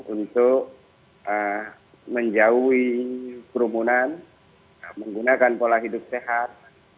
untuk menjauhi kerumunan menggunakan pola hidup sehat